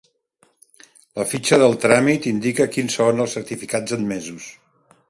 La fitxa del tràmit indica quins són els certificats admesos.